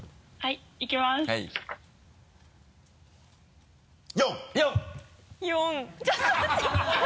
はいいきます。